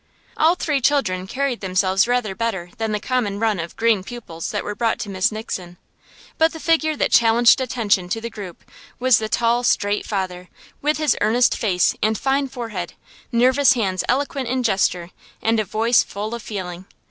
All three children carried themselves rather better than the common run of "green" pupils that were brought to Miss Nixon. But the figure that challenged attention to the group was the tall, straight father, with his earnest face and fine forehead, nervous hands eloquent in gesture, and a voice full of feeling.